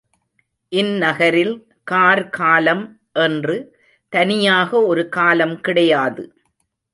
இந்நகரில் கார் காலம் என்று தனியாக ஒரு காலம் கிடையாது.